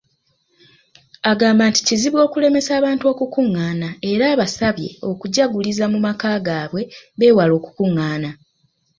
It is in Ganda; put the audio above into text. Agamba nti kizibu okulemesa abantu okukungaana era abasabye okujaguliza mu maka gaabwe beewale okukungaana.